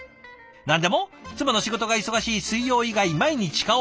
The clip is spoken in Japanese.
何でも妻の仕事が忙しい水曜以外毎日顔。